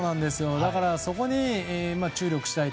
だからそこに注力したいと。